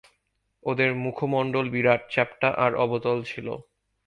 ওদের মুখমণ্ডল বিরাট, চ্যাপ্টা আর অবতল ছিল।